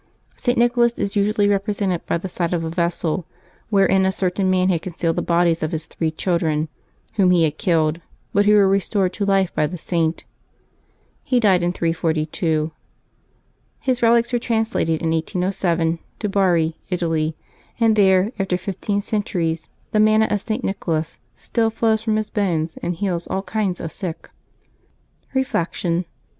St. Nicholas is usually represented by the side of a vessel, wherein a certain man had concealed the bodies of his three children whom he had killed, but who were restored to life by the Saint. He died in 342. His relics were translated in 1807, to Bari, Italy, and there, after fifteen centuries, " the manna of St. Nicholas " still flows from his bones and heals all kinds of sick. Reflection.